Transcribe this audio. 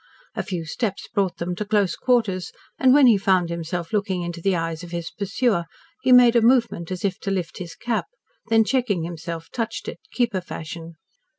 A few steps brought them to close quarters, and when he found himself looking into the eyes of his pursuer he made a movement as if to lift his cap, then checking himself, touched it, keeper fashion.